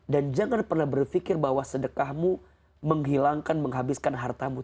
dan jangan pernah berpikir bahwa sedekahmu menghilangkan menghabiskan hartamu